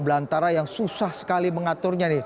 belantara yang susah sekali mengaturnya nih